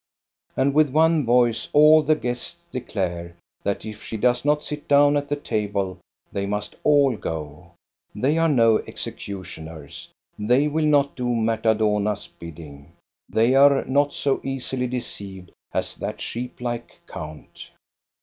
And with one voice all the guests declare that if she does not sit down at the table, they must all go. They are no executioners. They will not do Marta Dohna's bidding. They are not so easily deceived as that sheep like count.